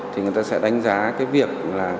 thì người ta sẽ đánh giá cái việc